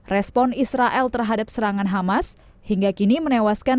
respon israel terhadap serangan hamas hingga kini menewaskan